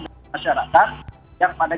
dari masyarakat yang pada